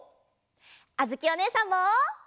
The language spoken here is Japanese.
あづきおねえさんも。